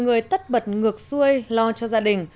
người tất bật ngược xuôi lo cho gia đình